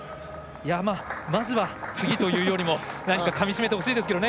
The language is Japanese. まずは、次というよりも何か、かみ締めてほしいですね